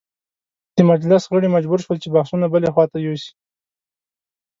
د مجلس غړي مجبور شول چې بحثونه بلې خواته یوسي.